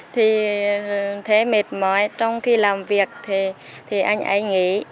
thì thấy mệt mỏi trong khi làm việc thì anh ấy nghĩ